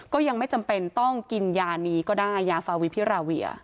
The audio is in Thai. ก็ยังไม่จำเป็นต้องกินยานี้ก็ได้ยาฟาวิพิราเวีย